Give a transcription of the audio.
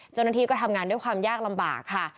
จนทีก็ทำงานด้วยความยากลำบากค่ะ